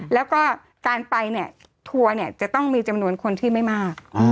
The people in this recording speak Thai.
แล้วก็การไปเนี่ยทัวร์เนี่ยจะต้องมีจำนวนคนที่ไม่มาก